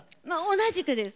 同じくです。